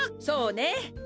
そうね。